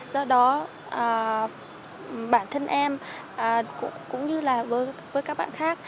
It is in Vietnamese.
do đó bản thân em cũng như là đối với các bạn khác